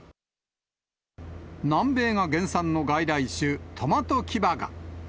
南米が原産の外来種、トマトキバガ。